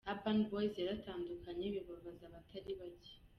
Urban Boys yaratandukanye bibabaza abatari bake .